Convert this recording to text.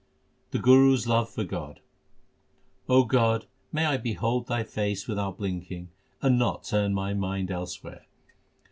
The Guru s love for God : O God, may I behold Thy face without blinking and not turn my mind elsewhere